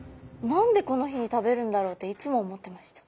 何でこの日に食べるんだろうっていつも思ってました。